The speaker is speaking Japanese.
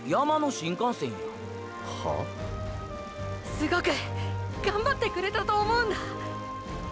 すごくがんばってくれたと思うんだ。